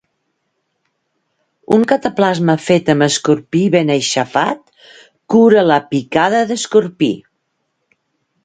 Un cataplasma fet amb escorpí ben aixafat, cura la picada d'escorpí.